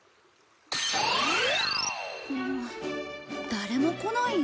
誰も来ないよ？